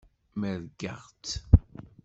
Merrgeɣ-tt.